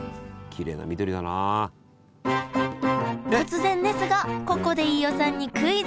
突然ですがここで飯尾さんにクイズ！